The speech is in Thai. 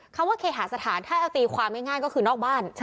คำว่าเคหาสถานถ้าเอาตีความง่ายก็คือนอกบ้าน